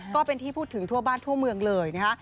ก็เป็นที่พูดถึงทั่วบ้านทั่วเมืองเลยนะคะ